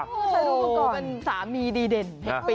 โหมันสามีดีเด่น